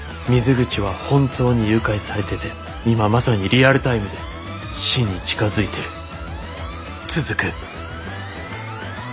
水口は本当に誘拐されてて今まさにリアルタイムで死に近づいてる。